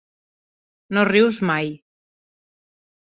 No rius mai.